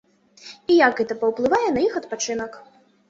І як гэта паўплывае на іх адпачынак.